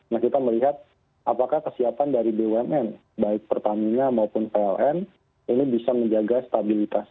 nah kita melihat apakah kesiapan dari bumn baik pertamina maupun pln ini bisa menjaga stabilitas